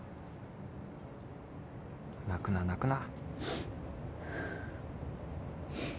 泣くな泣くな。